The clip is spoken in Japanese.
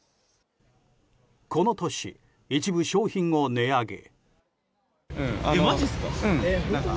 この年、一部商品を値上げ。